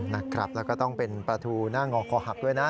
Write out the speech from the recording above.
นะครับแล้วก็ต้องเป็นปลาทูหน้างอคอหักด้วยนะ